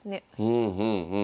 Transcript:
うんうんうん。